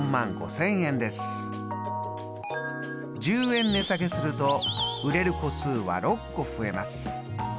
１０円値下げすると売れる個数は６個増えます。